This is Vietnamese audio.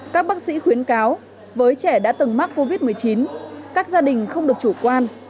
các bác sĩ khuyến cáo với trẻ đã từng mắc covid một mươi chín các gia đình không được chủ quan